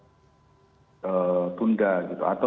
ee tunda gitu atau